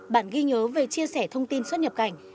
bản ghi nhớ về chia sẻ thông tin xuất nhập cảnh